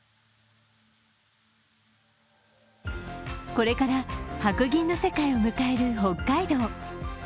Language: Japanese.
これから白銀の世界を迎える北海道。